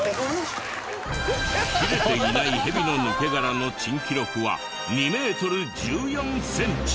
切れていないヘビの抜け殻の珍記録は２メートル１４センチ。